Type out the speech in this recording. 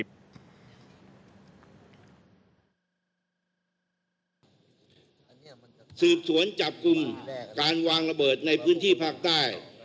อันนี้สืบสวนจับกลุ่มการวางระเบิดในพื้นที่ภาคใต้